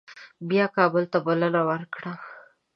بیا کابل ته بلنه ورکړه.